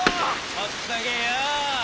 ほっとけよ